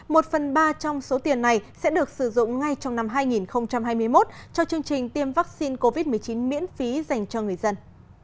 một phần ba trong số tiền này sẽ được sử dụng ngay trong năm hai nghìn hai mươi một cho chương trình tiêm vaccine covid một mươi chín miễn phí dành cho người dân